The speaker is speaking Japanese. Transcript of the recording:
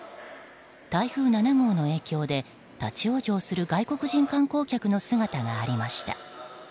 台風７号の影響で立ち往生する外国人観光客の姿がありました。